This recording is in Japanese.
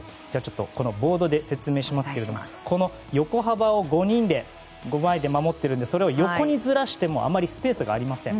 ボードで説明しますがこの横幅を５枚で守っているのでそれを横にずらしてもあまりスペースがありません。